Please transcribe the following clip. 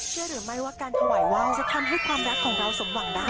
เชื่อหรือไม่ว่าการถวายไหว้จะทำให้ความรักของเราสมหวังได้